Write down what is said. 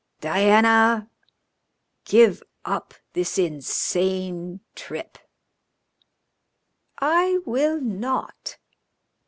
Diana, give up this insane trip." "I will not."